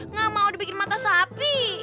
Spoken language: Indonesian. nggak mau dibikin mata sapi